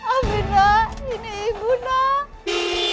afi nak ini ibu nak